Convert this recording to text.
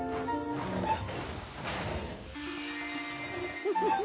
フフフフ。